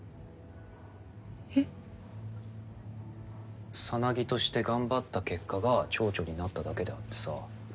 えっ？サナギとして頑張った結果がチョウチョになっただけであってさ